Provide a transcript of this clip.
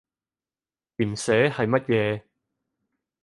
鹽蛇係乜嘢？